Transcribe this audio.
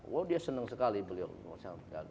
wow dia senang sekali beliau